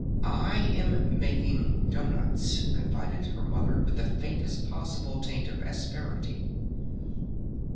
"I am making doughnuts," confided her Mother with the faintest possible taint of asperity.